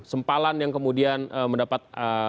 sempalan yang kemudian mendapat